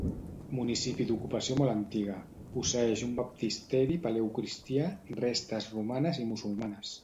Municipi d'ocupació molt antiga, posseeix un baptisteri paleocristià, restes romanes i musulmanes.